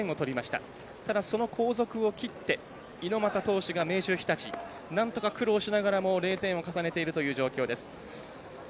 ただ、その後続を切って猪俣投手が明秀日立なんとか苦労しながらも０点を重ねているという状況です。